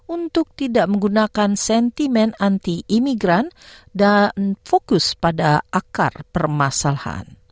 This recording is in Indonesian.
untuk tidak menggunakan sentimen anti imigran dan fokus pada akar permasalahan